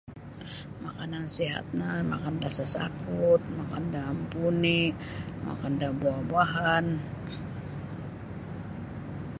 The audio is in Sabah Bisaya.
Makanan sihat no makan da sasakut makan da ampuni' makan da buah-buahan.